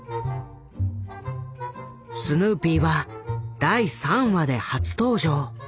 スヌーピーは第３話で初登場。